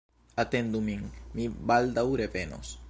Atendu min, mi baldaŭ revenos.